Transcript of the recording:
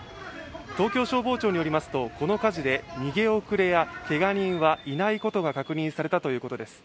東京消防庁によりますと、この火事で逃げ遅れやけが人はいないとのことです。